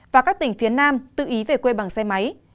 và các tỉnh phía nam tự ý về quê bằng xe máy